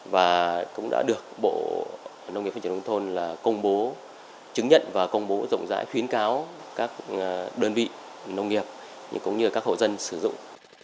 và cũng đã được bộ nông nghiệp phát triển đông thôn là công bố chứng nhận và công bố rộng rãi khuyến cáo các đơn vị nông nghiệp cũng như các hộ dân sử dụng